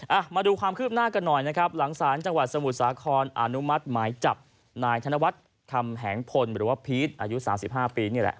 มาดูความคืบหน้ากันหน่อยนะครับหลังศาลจังหวัดสมุทรสาครอนุมัติหมายจับนายธนวัฒน์คำแหงพลหรือว่าพีชอายุสามสิบห้าปีนี่แหละ